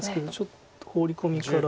ちょっとホウリコミから。